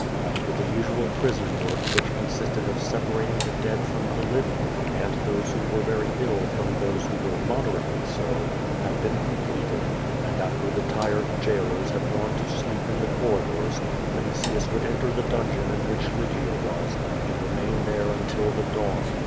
After the usual prison work, which consisted of separating the dead from the living, and those who were very ill from those who were moderately so, had been 450 OtJO VAblS. completed, and after the tired jailers had gone to sleep in the corridors, Vinitius would enter the dungeon in which Lygia was, and remain there until J;he dawn.